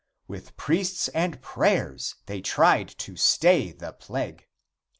With priests and prayers they tried to stay the plague.